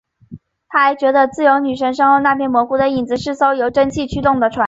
他还觉得自由女神身后那片模糊的影子是艘由蒸汽驱动的船。